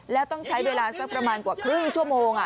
แล้วต้องใช้เวลาสักประมาณกว่าครึ่งชั่วโมง